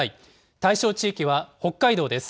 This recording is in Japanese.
対象地域は北海道です。